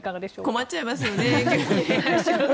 困っちゃいますよね。